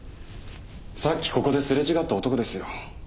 さっきここですれ違った男ですよ。